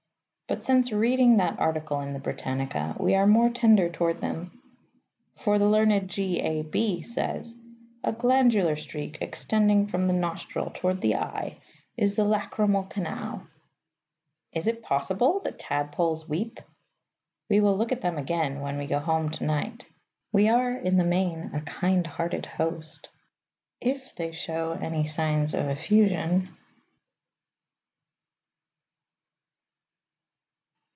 But, since reading that article in the Britannica, we are more tender toward them. For the learned G.A.B. says: "A glandular streak extending from the nostril toward the eye is the lachrymal canal." Is it possible that tadpoles weep? We will look at them again when we go home to night. We are, in the main, a kind hearted host. If they show any signs of effusion....